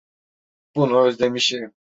Bunu özlemişim.